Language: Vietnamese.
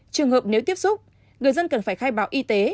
trường hợp nếu tiếp xúc người dân cần phải khai báo y tế